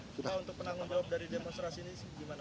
pak untuk penanggung jawab dari demonstrasi ini sih gimana